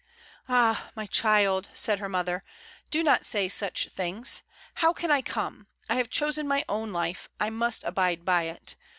"Ah! my child," said her mother. "Do not say such things. How can I come? I have chosen my own life; I must abide by it.